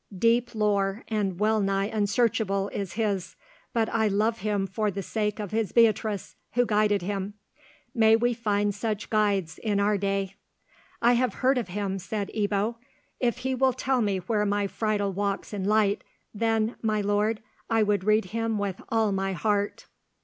Deep lore, and well nigh unsearchable, is his; but I love him for the sake of his Beatrice, who guided him. May we find such guides in our day!" "I have heard of him," said Ebbo. "If he will tell me where my Friedel walks in light, then, my lord, I would read him with all my heart."